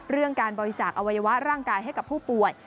เรื่องการบริจาคอวัยวะร่างกายให้กับผู้ป่วย